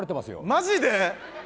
マジで？